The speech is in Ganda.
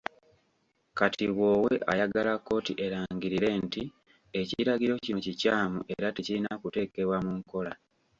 Kati Bwowe ayagala kkooti erangirire nti ekiragiro kino kikyamu era tekirina kuteekebwa mu nkola.